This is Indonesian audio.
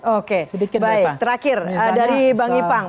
oke baik terakhir dari bang ipang